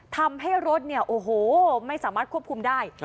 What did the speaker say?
ทำให้รถเนี่ยโอ้โหไม่สามารถควบคุมได้